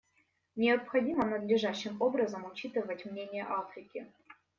Необходимо надлежащим образом учитывать мнение Африки.